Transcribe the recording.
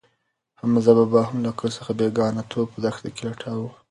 حمزه بابا هم له عقل څخه بېګانه توب په دښته کې لټاوه.